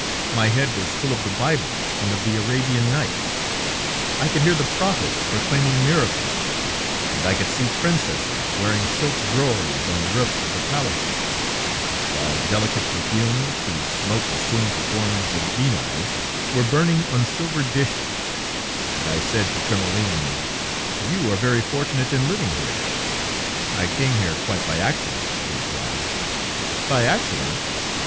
My head was full of the Bible and of The Arabian Nights; I could hear the prophets proclaiming miracles, and I could see princesses wearing silk drawers on the roofs of the palaces, while delicate perfumes, whose smoke assumed the forms of genii, were burning on silver dishes, and I said to Trémoulin: "You are very fortunate in living here." "I came here quite by accident," he replied. "By accident?"